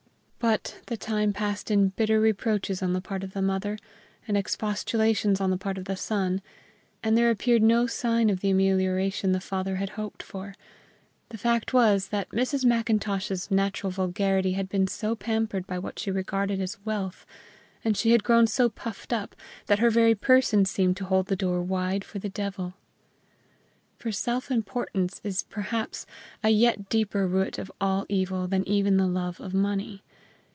But the time passed in bitter reproaches on the part of the mother, and expostulations on the part of the son, and there appeared no sign of the amelioration the father had hoped for. The fact was that Mrs. Macintosh's natural vulgarity had been so pampered by what she regarded as wealth, and she had grown so puffed up, that her very person seemed to hold the door wide for the devil. For self importance is perhaps a yet deeper root of all evil than even the love of money.